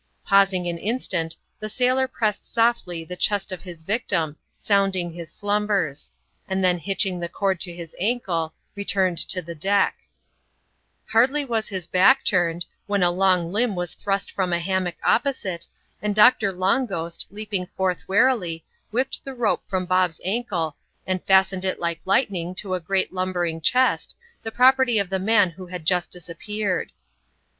Pausing an instant, the sailor pressed softly the chest of his victim, sounding his slumbers ; and then hitching the cord to his ankle, returned to the deck. HardJjr was bia back turned, vrlieu a\oTi^'^xEk\i ^«& >i}i[is\>&X^Qm. CHAP. XL] DOCTOR LONG GHOST A WAG. 43 a hammock opposite, and Doctor Long Ghost, leaping^ forth warily, whipped the rope from Bob's ankle, and fastened it like lightning to a great lumbering chest, the property of the man who had just disappeared.